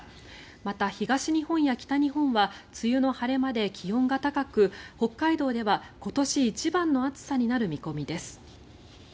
また、東日本や北日本は梅雨の晴れ間で気温が高く北海道では今年一番の暑さになる見込みです。